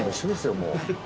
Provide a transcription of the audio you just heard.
もう。